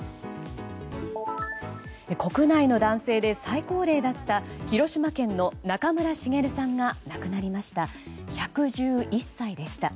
国内の男性で最高齢だった広島県の中村茂さんが亡くなりました。